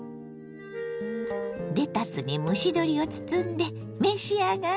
レタスに蒸し鶏を包んで召し上がれ。